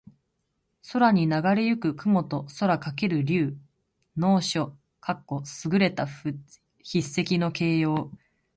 空にながれ行く雲と空翔ける竜。能書（すぐれた筆跡）の形容。